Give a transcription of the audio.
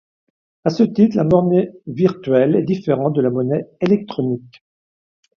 À ce titre, la monnaie virtuelle est différente de la monnaie électronique.